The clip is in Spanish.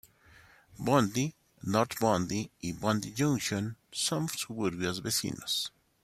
Bondi, North Bondi y Bondi Junction son suburbios vecinos.